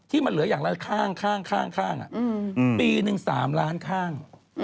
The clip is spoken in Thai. มันเหลืออย่างละข้างปีหนึ่ง๓ล้านข้าง